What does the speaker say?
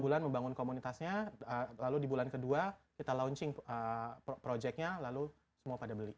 dua bulan membangun komunitasnya lalu di bulan kedua kita launching projectnya lalu semua pada beli